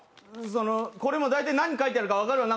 これも大体何書いてあるか分かるもん。